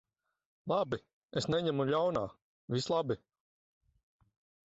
Labi. Es neņemu ļaunā. Viss labi.